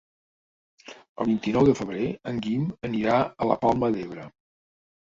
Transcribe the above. El vint-i-nou de febrer en Guim anirà a la Palma d'Ebre.